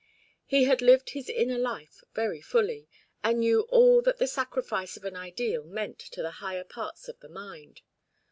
He had lived his inner life very fully, and knew all that the sacrifice of an ideal meant to the higher parts of the mind.